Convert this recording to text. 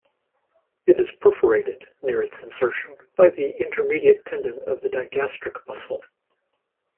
It is perforated, near its insertion, by the intermediate tendon of the digastric muscle.